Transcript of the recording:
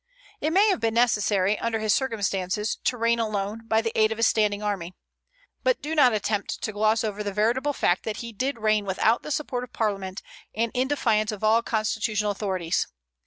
It may have been necessary, under his circumstances, to reign alone, by the aid of his standing army. But do not attempt to gloss over the veritable fact that he did reign without the support of Parliament, and in defiance of all constitutional authorities.